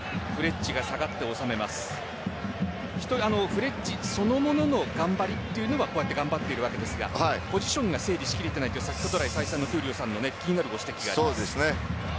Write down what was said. フレッジそのものの頑張りはこうやって頑張っているわけですがポジションが処理しきれていないという闘莉王さんの気になるご指摘がありました。